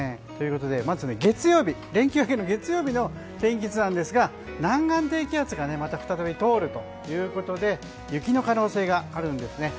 ということで連休明けの月曜日の天気図ですが南岸低気圧が再び通るということで雪の可能性があるんです。